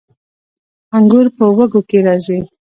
انګور په وږو کې راځي